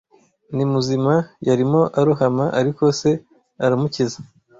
Ni muzima! Yarimo arohama, ariko se aramukiza.